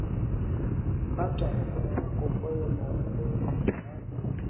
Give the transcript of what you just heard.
kata unga wako kwenye maumbo ya maandazi